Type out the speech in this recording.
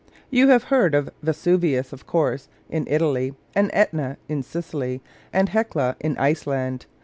You have heard of Vesuvius, of course, in Italy; and Etna, in Sicily; and Hecla, in Iceland.